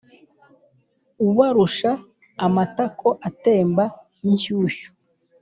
ubarusha amatako atemba inshyushyu